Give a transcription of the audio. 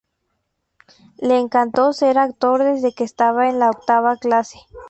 Le encantó ser actor desde que estaba en la octava clase.